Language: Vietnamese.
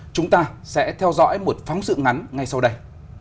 chúng ta sẽ theo dõi một phóng sự ngắn ngay sau đây